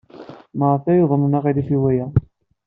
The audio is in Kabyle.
Maɣef ay uḍnen aɣilif i waya?